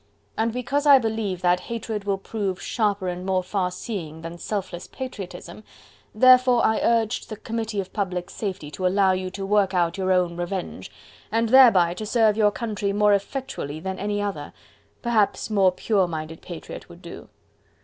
And because I believe that hatred will prove sharper and more far seeing than selfless patriotism, therefore I urged the Committee of Public Safety to allow you to work out your own revenge, and thereby to serve your country more effectually than any other perhaps more pure minded patriot would do.